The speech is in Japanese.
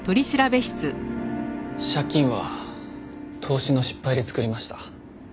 借金は投資の失敗で作りました。